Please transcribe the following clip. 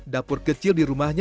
dapur kecil di rumahnya